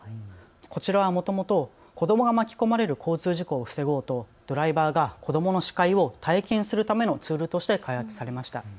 こちらはもともと子どもが巻き込まれる交通事故を防ごうとドライバーが子どもの視界を体験するためのツールとして開発されました。